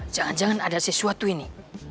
jangan jangan ada sesuatu ini